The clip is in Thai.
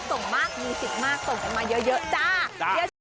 ส่งมากมีสิทธิ์มากส่งกันมาเยอะจ้า